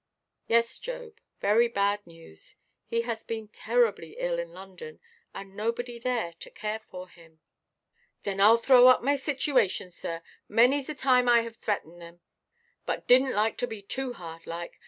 "Yes, Job; very bad news. He has been terribly ill in London, and nobody there to care for him." "Then Iʼll throw up my situation, sir. Manyʼs the time I have threatened them, but didnʼt like to be too hard like.